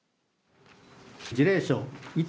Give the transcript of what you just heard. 辞令書、伊丹